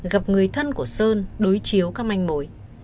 gặp người thân của sơn đối chiếu các manh mối